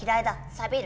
さびる。